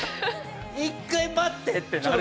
一回待ってってなる。